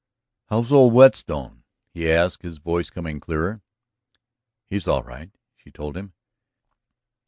"How's old Whetstone?" he asked, his voice coming clearer. "He's all right," she told him.